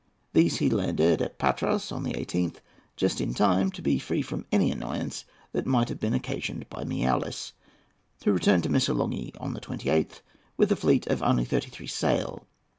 These he landed at Patras on the 18th, just in time to be free from any annoyance that might have been occasioned by Miaoulis, who returned to Missolonghi on the 28th with a fleet of only thirty three sail.